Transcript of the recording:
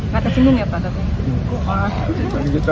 kata cimun ya pak katanya